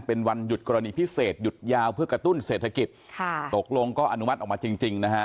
เป็นวันหยุดกรณีพิเศษหยุดยาวเพื่อกระตุ้นเศรษฐกิจค่ะตกลงก็อนุมัติออกมาจริงจริงนะฮะ